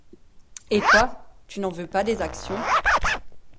Et toi, tu n'en veux pas, des actions?